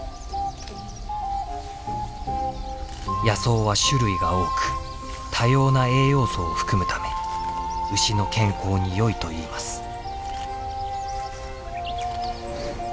野草は種類が多く多様な栄養素を含むため牛の健康によいといいます。